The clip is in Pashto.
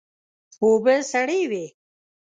اوبه سړې وې.